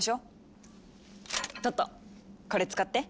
トットこれ使って。